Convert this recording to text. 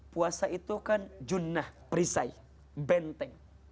puasa itu kan junnah perisai benteng